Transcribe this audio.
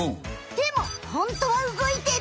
でもホントは動いてる。